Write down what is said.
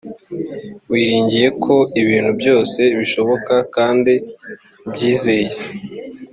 wiringiye ko ibintu byose bishoboka kandi ubyizeye.